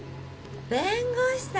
弁護士さん！